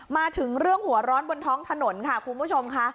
มาถึงเรื่องหัวร้อนบนท้องถนนค่ะคุณผู้ชมค่ะ